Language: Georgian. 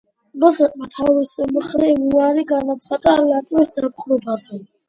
რუსეთმა თავის მხრივ უარი განაცხადა ლიტვის დაპყრობაზე.